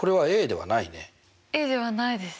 ではないです。